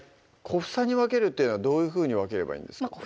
小房に分けるってどういうふうに分ければいいんですか？